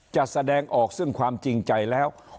แสดงออกซึ่งความจริงใจแล้ว